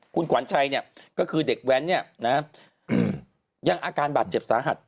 คุณขวัญชัยเนี่ยก็คือเด็กแว้นเนี่ยนะฮะยังอาการบัตรเจ็บสหัส